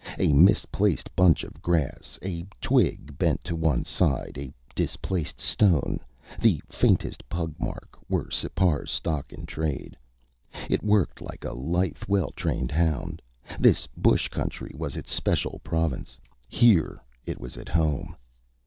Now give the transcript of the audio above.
A misplaced bunch of grass, a twig bent to one side, a displaced stone, the faintest pug mark were Sipar's stock in trade. It worked like a lithe, well trained hound. This bush country was its special province; here it was at home.